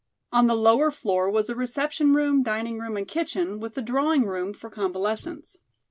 On the lower floor was a reception room, dining room and kitchen, with the drawing room for convalescents.